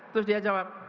terus dia jawab